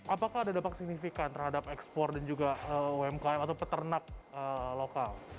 apakah ada dampak signifikan terhadap ekspor dan juga umkm atau peternak lokal